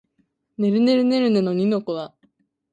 ねるねるねるねの二の粉